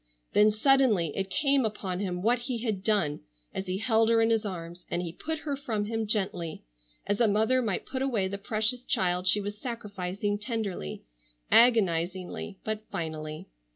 Then suddenly it came upon him what he had done, as he held her in his arms, and he put her from him gently, as a mother might put away the precious child she was sacrificing tenderly, agonizingly, but finally.